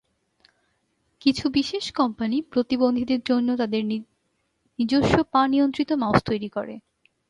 কিছু বিশেষ কোম্পানি প্রতিবন্ধীদের জন্য তাদের নিজস্ব পা নিয়ন্ত্রিত মাউস তৈরি করে।